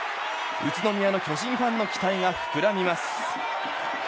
宇都宮の巨人ファンの期待が膨らみます。